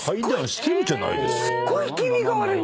すっごい気味が悪い！